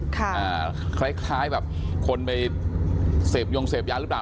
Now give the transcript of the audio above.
คล้ายคล้ายแบบคนไปเสพยงเสพยาหรือเปล่า